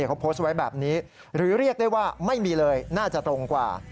เขาโพสต์ไว้แบบนี้หรือเรียกได้ว่าไม่มีเลยน่าจะตรงกว่า